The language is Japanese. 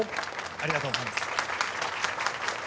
ありがとうございます。